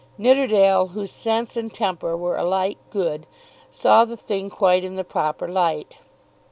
Nidderdale, whose sense and temper were alike good, saw the thing quite in the proper light.